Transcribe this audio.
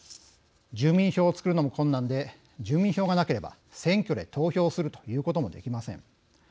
住民票を作るのも困難で住民票がなければ選挙で投票するということもできません。